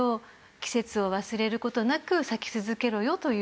季節を忘れる事なく咲き続けろよという。